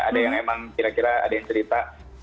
ada yang emang kira kira ada yang cerita